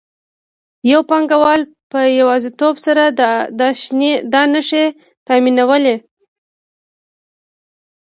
یو پانګوال په یوازیتوب سره دا نشي تامینولی